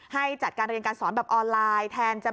ให้จัดการเรียนการสอนแบบออนไลน์แทน